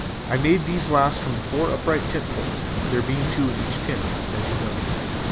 I made these last from the four upright tent poles, there being two to each tent, as you know.